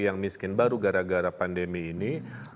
yang miskin baru gara gara pandemi ini